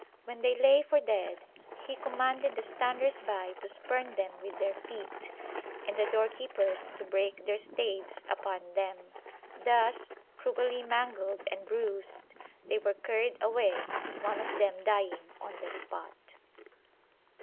When they lay for dead, he commanded the standers by to spurn them with their feet, and the door keepers to break their staves upon them. Thus, cruelly mangled and bruised, they were carried away, one of them dying on the spot.